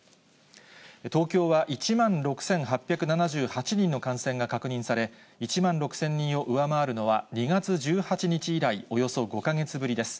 東京は１万６８７８人の感染が確認され、１万６０００人を上回るのは、２月１８日以来およそ５か月ぶりです。